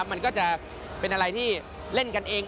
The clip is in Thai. มันก็จะเป็นอะไรที่เล่นกันเอง